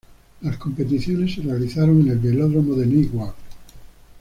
Las competiciones se realizaron en el Velódromo de Newark.